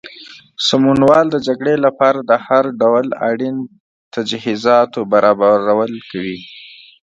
سمونوال د جګړې لپاره د هر ډول اړین تجهیزاتو برابرول کوي.